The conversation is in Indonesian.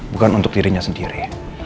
bukan untuk dirinya sendiri